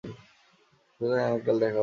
সুতরাং আগামীকাল দেখা হবে।